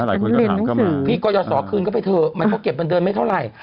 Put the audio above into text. หลายคนก็ถามเข้ามาพี่ก็อย่าสอคืนก็ไปเถอะมันเขาเก็บบันเดินไม่เท่าไหร่